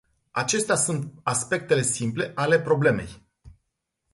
Acestea sunt aspectele simple ale problemei.